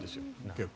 結構。